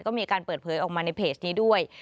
ก็มีการเปิดเผยออกมาในเพจนี้ด้วย